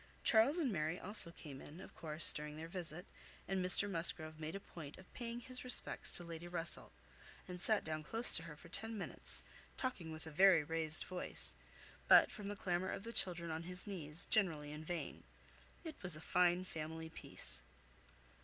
Charles and Mary also came in, of course, during their visit, and Mr Musgrove made a point of paying his respects to Lady Russell, and sat down close to her for ten minutes, talking with a very raised voice, but from the clamour of the children on his knees, generally in vain. It was a fine family piece.